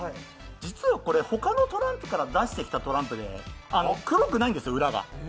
実はこれ、他のトランプから出してきたトランプで黒くないんですよ、裏が。